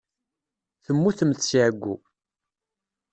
Temmutemt seg ɛeyyu.